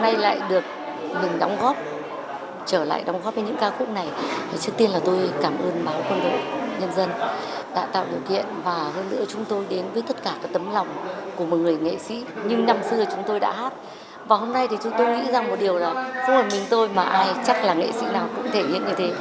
ý rằng một điều là phương hội mình tôi mà ai chắc là nghệ sĩ nào cũng thể hiện như thế